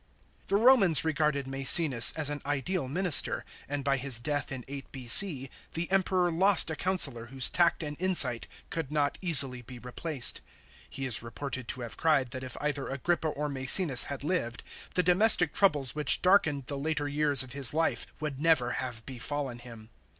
The Romans regarded Maecenas as an ideal minister, and by his death in 8 B.C. the Emperor lost a councillor 60 ADMINISTRATION OF AUGUSTUS. CHAP. v. whose tact and insight could not easily be replaced. He is reported to have cried that if either Agrippa or Meecenas had lived, the domestic troubles which darkened the later years of his life would never have befallen him.